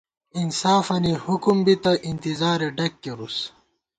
انصافَنی حُکُم بِتہ، اِنتِظارےڈگ کېرُوس